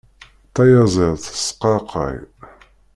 Tayaziḍt tesqaqay.